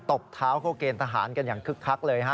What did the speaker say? ตบเท้าเข้าเกณฑ์ทหารกันอย่างคึกคักเลยฮะ